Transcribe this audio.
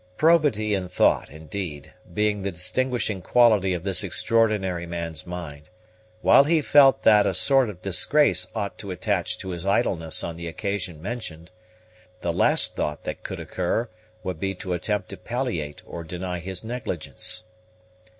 Probity in thought and deed being the distinguishing quality of this extraordinary man's mind, while he felt that a sort of disgrace ought to attach to his idleness on the occasion mentioned, the last thought that could occur would be to attempt to palliate or deny his negligence.